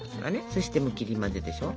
そしてもう切り混ぜでしょう。